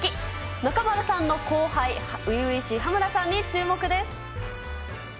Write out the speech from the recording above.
中丸さんの後輩、初々しい羽村さんに注目です。